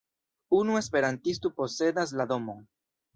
Unu esperantisto posedas la domon.